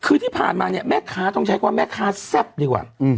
คือที่ผ่านมาเนี่ยแม่ค้าต้องใช้ความแม่ค้าแซ่บดีกว่า